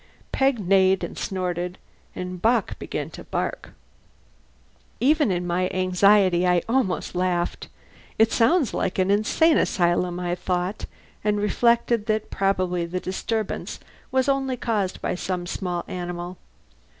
Peg neighed and snorted, and Bock began to bark. Even in my anxiety I almost laughed. "It sounds like an insane asylum," I thought, and reflected that probably the disturbance was only caused by some small animal.